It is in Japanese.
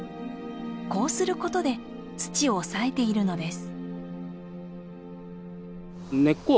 こうすることで土を抑えているのです。